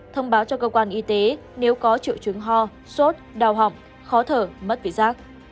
thông báo cho cơ quan y tế nếu có triệu chứng ho sốt đau họng khó thở mất vị giác